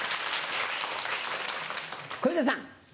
小遊三さん。